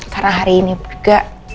karena hari ini bergega